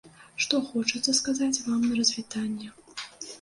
Што хочацца сказаць вам на развітанне.